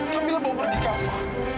kamila bawa pergi kafa